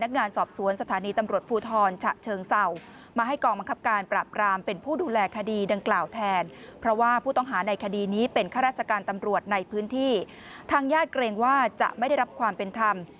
ทางญาติเกรงว่าจะไม่ได้รับความเป็นธรรม